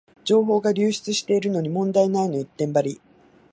情報が流出してるのに問題ないの一点張り